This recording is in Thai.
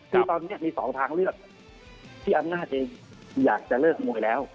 คือตอนนี้มี๒ทางเลือกที่อำนาจจะอยากจะเลิกมวยแล้ว